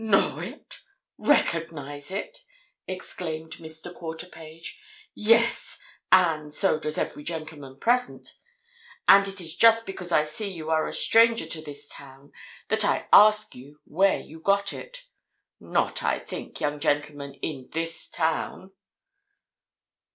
"Know it! Recognize it!" exclaimed Mr. Quarterpage. "Yes, and so does every gentleman present. And it is just because I see you are a stranger to this town that I ask you where you got it. Not, I think, young gentleman, in this town."